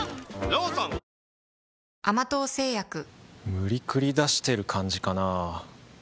無理くり出してる感じかなぁ